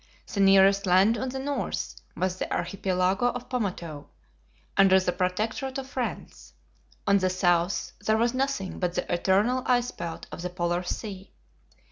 The nearest land on the north was the Archipelago of Pomotou, under the protectorate of France; on the south there was nothing but the eternal ice belt of the Polar Sea.